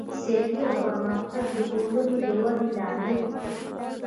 سیالي او پرمختګ د ټولنې د ودې لامل دی.